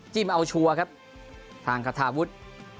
จิ้มเอาชัวร์ครับทางกระทะวุฒิ